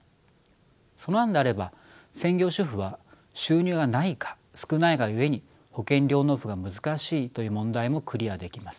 その案であれば専業主婦は収入がないか少ないがゆえに保険料納付が難しいという問題もクリアできます。